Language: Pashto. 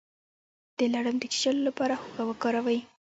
د لړم د چیچلو لپاره هوږه وکاروئ